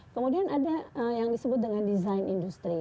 kemudian ada yang disebut dengan design industry